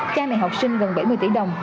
cha mẹ học sinh gần bảy mươi tỷ đồng